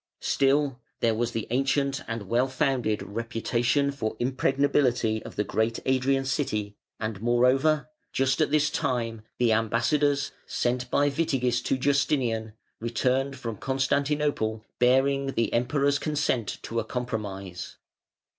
Still there was the ancient and well founded reputation for impregnability of the great Adrian city, and, moreover, just at this time the ambassadors, sent by Witigis to Justinian, returned from Constantinople, bearing the Emperor's consent to a compromise.